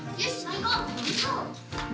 行こう。